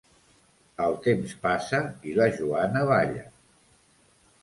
El temps passa i la Joana balla.